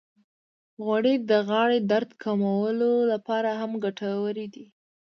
غوړې د غاړې د درد کمولو لپاره هم ګټورې دي.